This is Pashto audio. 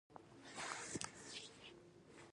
اقچې غالۍ ولې مشهورې دي؟